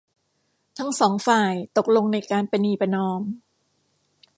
ทั้งสองฝ่ายตกลงในการประนีประนอม